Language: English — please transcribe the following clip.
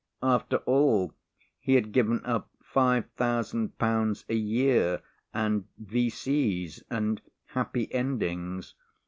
After all, he had given up 5,000 pounds a year and V.C.'s and happy endings.